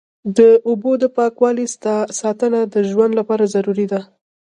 د اوبو د پاکوالي ساتنه د ژوند لپاره ضروري ده.